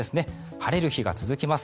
晴れる日が続きます。